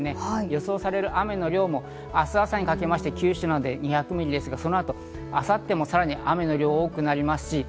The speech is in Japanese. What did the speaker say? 予想される雨の量も明日朝にかけまして九州などで２００ミリ、そのあと明後日も雨の量が多くなります。